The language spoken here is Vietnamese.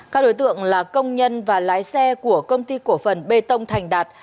các đối tượng là công nhân và lái xe của công ty cổ phần bê tông thành đạt